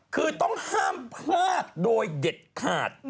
คือต้องห้ามพลาดโดยเด็ดขาด